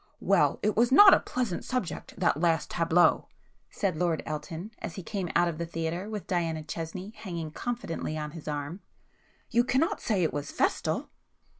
"Well, it was not a pleasant subject, that last tableau,"—said Lord Elton, as he came out of the theatre with Diana Chesney hanging confidingly on his arm—"You cannot say it was festal!"